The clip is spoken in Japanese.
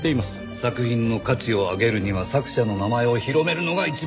作品の価値を上げるには作者の名前を広めるのが一番。